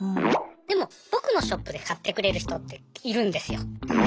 でも僕のショップで買ってくれる人っているんですよ。